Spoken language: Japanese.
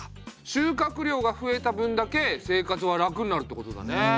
収穫量が増えた分だけ生活は楽になるってことだね。